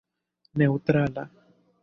neŭtrala